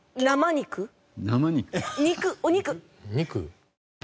肉お肉。